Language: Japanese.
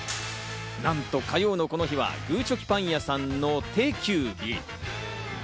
なんと火曜のこの日は、ぐーちょきパン屋さんの定休日。